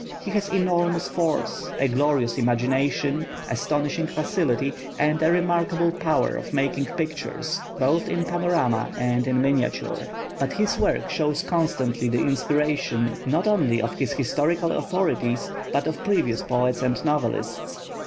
He has enormous force, a glorious imagination, astonishing facility, and a remarkable power of making pictures, both in panorama and in miniature; but his work shows constantly the inspiration not only of his historical authorities, but of previous poets and novelists.